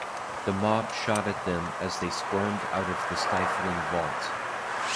The mob shot at them as they squirmed out of the stifling vault.